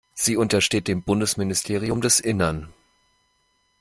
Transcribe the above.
Sie untersteht dem Bundesministerium des Innern.